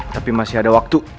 tapi masih ada waktu